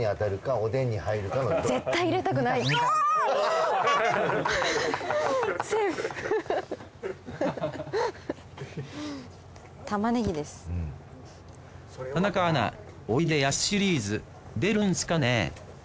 おいでやすシリーズ出るんすかね？